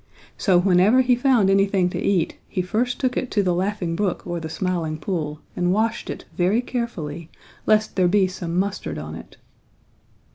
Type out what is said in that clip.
So whenever he found anything to eat he first took it to the Laughing Brook or the Smiling Pool and washed it very carefully, lest there be some mustard on it.